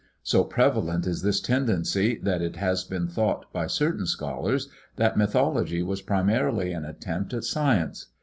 So prevalent is this tendency that it has been thought by certain scholars that mythology was primarily an attempt at science.